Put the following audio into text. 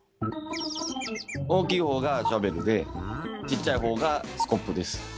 大きい方がシャベルでちっちゃい方がスコップです。